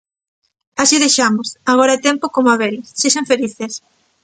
Así o deixamos, agora o tempo con Mabel, sexan felices.